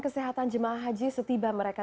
kesehatan jemaah haji setiba mereka